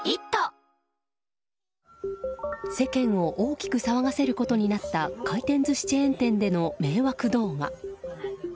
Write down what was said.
世間を大きく騒がせることになった回転寿司チェーン店での迷惑動画。